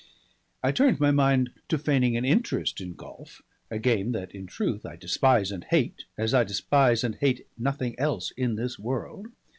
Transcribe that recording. I turned my mind to feigning an interest in golf a game that in truth I despise and hate as I despise and hate nothing else in this world.